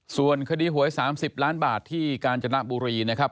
ส่วนคดีหวย๓๐ล้านบาทที่กาญจนบุรีนะครับ